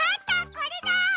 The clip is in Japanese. これだ！